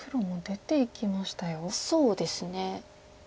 そうですね。